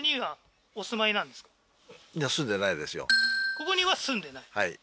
ここには住んでない？